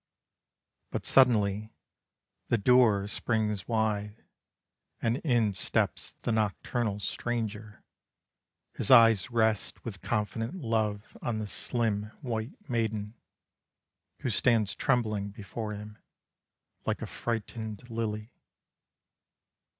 But suddenly the door springs wide, And in steps the nocturnal stranger His eyes rest with confident love On the slim, white maiden, Who stands trembling before him, Like a frightened lily.